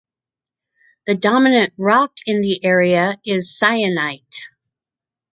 The dominant rock in the area is Syenite.